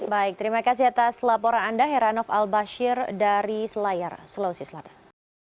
baik terima kasih atas laporan anda heranov al bashir dari selayar sulawesi selatan